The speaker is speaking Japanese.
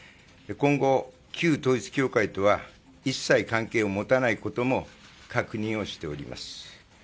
今後、旧統一教会とは一切関係を持たないことも確認をしております。